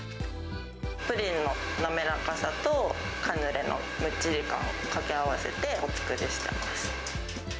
プリンの滑らかさと、カヌレのむっちり感を掛け合わせてお作りしています。